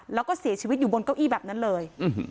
แล้วก็เสียชีวิตอยู่บนเก้าอี้แบบนั้นเลย